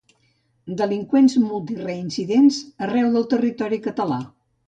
Delinqüents multireincidents arreu del territori català